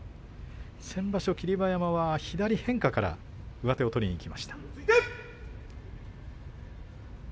先場所、霧馬山は左変化から上手を取りにいきました。